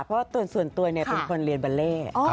เพราะส่วนตัวเป็นคนเรียนบาเล่